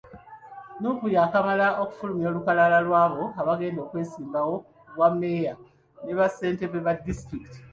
Nuupu yaakamala okufulumya olukalala lw'abo abagenda okwesimbawo ku bwa mmeeya ne bassentebe ba disitulikiti.